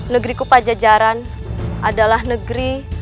negeriku pajajaran adalah negeri